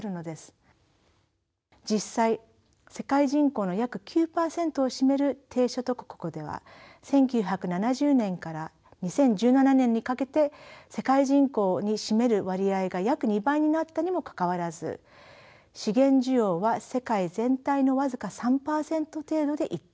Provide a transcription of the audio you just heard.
実際世界人口の約９％を占める低所得国では１９７０年から２０１７年にかけて世界人口に占める割合が約２倍になったにもかかわらず資源需要は世界全体の僅か３％程度で一定しています。